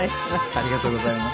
ありがとうございます。